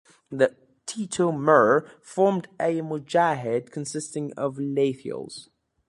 Titu Mir formed a "Mujahid" consisting of "lathials".